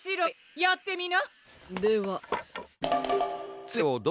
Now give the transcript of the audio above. やってみな！